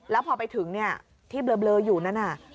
แล้วพอไปถึงที่เบลออยู่นั่นน่ะ